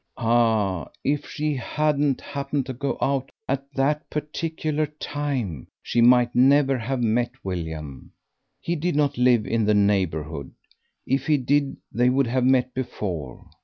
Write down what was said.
Ah! if she hadn't happened to go out at that particular time she might never have met William. He did not live in the neighbourhood; if he did they would have met before.